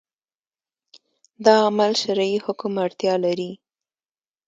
دا عمل شرعي حکم اړتیا لري